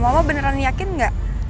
mama beneran yakin gak